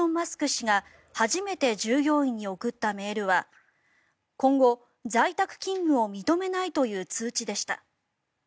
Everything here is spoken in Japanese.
氏が初めて従業員に送ったメールは今後、在宅勤務を認めないという通知でした。